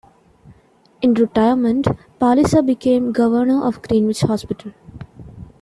In retirement Palliser became Governor of Greenwich Hospital.